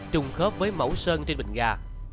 trùng khớp với mẫu sơn trên bình ga